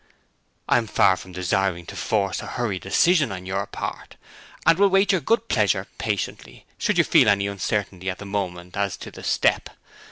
'I am far from desiring to force a hurried decision on your part, and will wait your good pleasure patiently, should you feel any uncertainty at the moment as to the step.